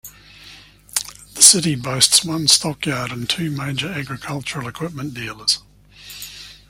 The city boasts one stockyard and two major agricultural equipment dealers.